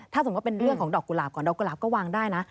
ถ้าสมมุติเป็นเรื่องของดอกกุหลาบก่อนดอกกุหลาบก็วางได้นะ